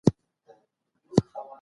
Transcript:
رنځ انسانان سره یو کوي.